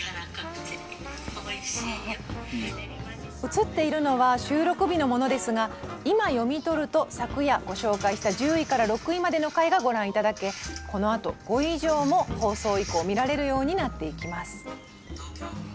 映っているのは収録日のものですが今読み取ると昨夜ご紹介した１０位から６位までの回がご覧頂けこのあと５位以上も放送以降見られるようになっていきます。